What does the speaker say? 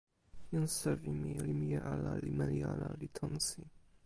jan sewi mi li mije ala li meli ala li tonsi.